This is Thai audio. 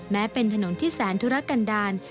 แม้เป็นถนนที่แสนธุรกันดาล